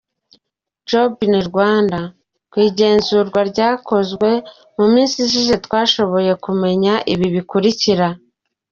Job in Rwanda : Ku igenzurwa ryakozwe mu minsi ishize, twashoboye kumenya ibi bikurikira :.